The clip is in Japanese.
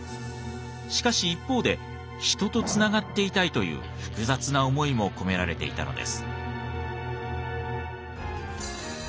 しかし一方で人とつながっていたいという複雑な思いも込められていたのです。